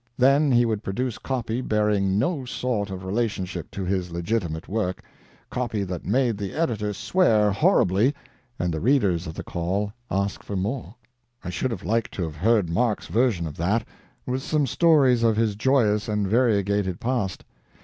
Then he would produce copy bearing no sort of relationship to his legitimate work—copy that made the editor swear horribly, and the readers of The Call ask for more. I should like to have heard Mark's version of that, with some stories of his joyous and variegated past.